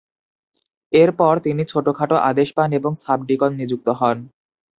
এর পর তিনি ছোটখাটো আদেশ পান এবং সাব-ডিকন নিযুক্ত হন।